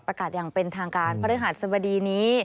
อย่างเป็นทางการพฤหัสบดีนี้